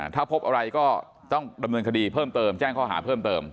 ถ้าพบอะไรก็ต้องดำเนินคดีเพิ่มเติมแจ้งข้อหาเพิ่มเติม